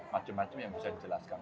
macam macam yang bisa dijelaskan